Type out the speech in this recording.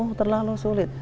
oh terlalu sulit